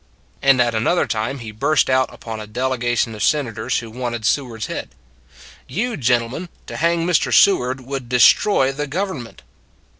And at another time he burst out upon a delegation of Senators who wanted Sew ard s head: You gentlemen, to hang Mr. Seward, would destroy the government!